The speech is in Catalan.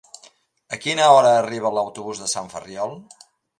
A quina hora arriba l'autobús de Sant Ferriol?